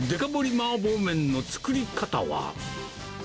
麻婆麺の作り方は。